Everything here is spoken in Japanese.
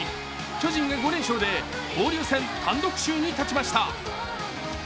巨人が５連勝で、交流戦単独首位に立ちました。